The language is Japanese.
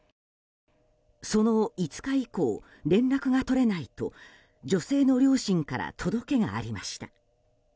その５日以降、連絡が取れないと女性の両親から届けがありました。